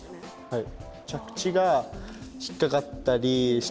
はい。